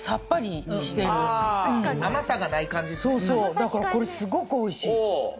だからこれすごく美味しい。